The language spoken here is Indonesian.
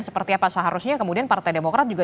seperti apa seharusnya kemudian partai demokrat juga